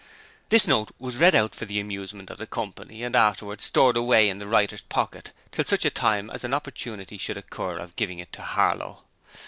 This note was read out for the amusement of the company and afterwards stored away in the writer's pocket till such a time as an opportunity should occur of giving it to Harlow.